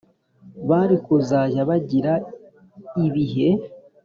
bari kuzajya bagira ibihe